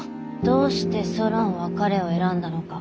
どうしてソロンは彼を選んだのか。